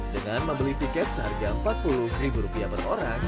dengan membeli tiket seharga empat puluh per orang